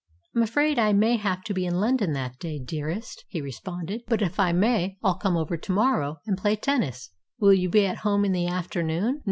"I'm afraid I may have to be in London that day, dearest," he responded. "But if I may I'll come over to morrow and play tennis. Will you be at home in the afternoon?"